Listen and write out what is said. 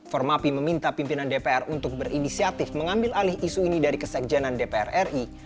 formapi meminta pimpinan dpr untuk berinisiatif mengambil alih isu ini dari kesekjenan dpr ri